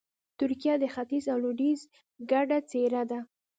ترکیه د ختیځ او لویدیځ ګډه څېره ده.